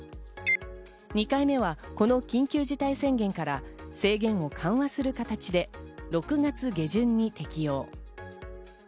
２回目はこの緊急事態宣言から制限を緩和する形で６月下旬に適用。